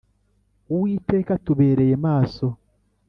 Uwiteka atubereye maso